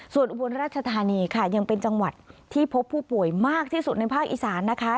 ส่วนอุบลราชธานีค่ะยังเป็นจังหวัดที่พบผู้ป่วยมากที่สุดในภาคอีสานนะคะ